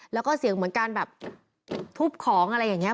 แล้วก็เสียงเหมือนการแบบทุบของอะไรอย่างนี้